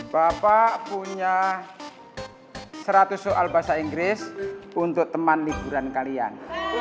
bapak punya seratus soal bahasa inggris untuk teman liburan kalian